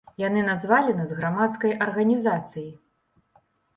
Яны назвалі нас грамадскай арганізацыяй.